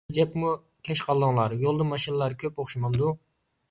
ھەجەپمۇ كەچ قالدىڭلار، يولدا ماشىنىلار كۆپ ئوخشىمامدۇ ؟